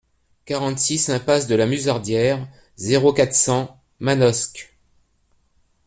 quarante-six impasse de la Musardière, zéro quatre, cent, Manosque